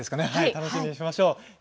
楽しみにしましょう。